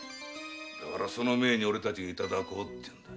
だからその前に俺たちがいただこうってんだ。